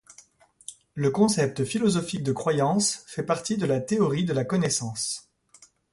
Le concept philosophique de croyance fait partie de la théorie de la connaissance.